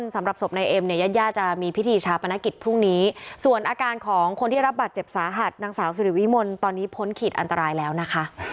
สำหรับศพนายเอ็มเนี่ยญาติญาติจะมีพิธีชาปนกิจพรุ่งนี้ส่วนอาการของคนที่รับบาดเจ็บสาหัสนางสาวสิริวิมลตอนนี้พ้นขีดอันตรายแล้วนะคะ